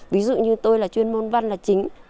ví dụ như tôi là chuyên môn văn là chính